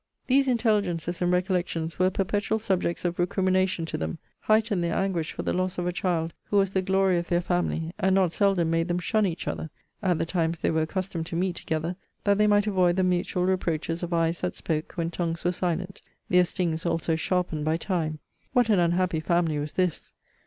These intelligences and recollections were perpetual subjects of recrimination to them: heightened their anguish for the loss of a child who was the glory of their family; and not seldom made them shun each other, (at the times they were accustomed to meet together,) that they might avoid the mutual reproaches of eyes that spoke, when tongues were silent their stings also sharpened by time! What an unhappy family was this!